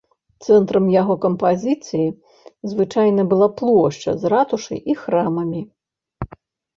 Цэнтрам яго кампазіцыі звычайна была плошча з ратушай і храмамі.